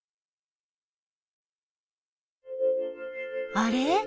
あれ？